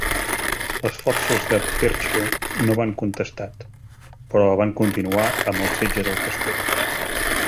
Les forces de Perche no van contestat, però van continuar amb el setge del castell.